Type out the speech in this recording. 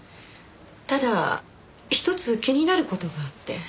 ただひとつ気になる事があって。